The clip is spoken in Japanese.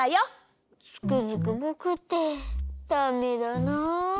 つくづくぼくってダメだな。